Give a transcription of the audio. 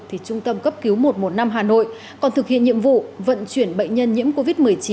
trung tâm cấp cứu một một năm hà nội còn thực hiện nhiệm vụ vận chuyển bệnh nhân nhiễm covid một mươi chín